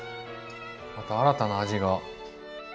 また新たな味が。